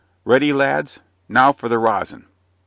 "Ready, lads? Now for the rosin!